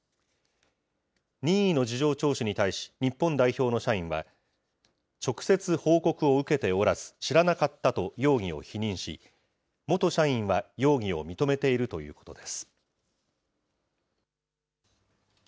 任意の事情聴取に対し、日本代表の社員は、直接報告を受けておらず、知らなかったと容疑を否認し、元社員は容疑を認めているということです。